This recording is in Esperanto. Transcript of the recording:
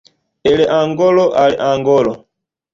El angoro al angoro.